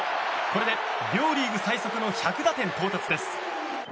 これで両リーグ最速の１００打点到達です。